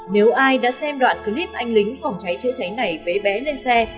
nếu ai đã xem đoạn clip anh lính phòng cháy chữa cháy này với bé lên xe